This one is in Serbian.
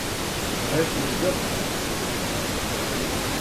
Лепо изгледаш данас.